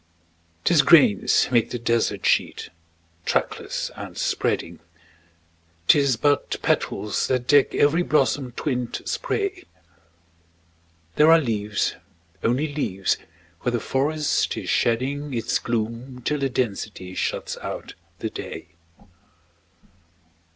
'Tis grains make the desert sheet, trackless and spreading; 'Tis but petals that deck every blossom twinned spray; There are leaves only leaves where the forest is shedding Its gloom till the density shuts out the day.